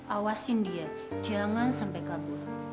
awasin dia jangan sampai kabur